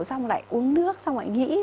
xong lại uống nước xong lại nghỉ